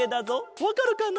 わかるかな？